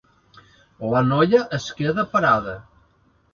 La noia es queda parada.